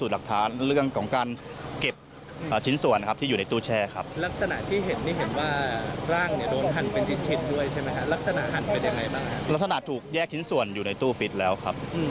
ลักษณะถูกแยกชิ้นส่วนอยู่ในตู้ฟิตแล้วครับ